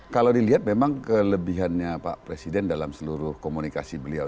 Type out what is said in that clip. kalau dilihat memang kelebihannya pak presiden dalam seluruh komunikasi beliau